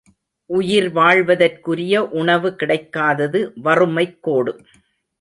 உயிர்வாழ்வதற்குரிய உணவு கிடைக்காதது வறுமைக் கோடு.